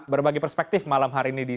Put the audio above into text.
berbagi perspektif malam hari ini